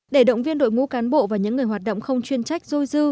để động viên đội ngũ cán bộ và những người hoạt động không chuyên trách dôi dư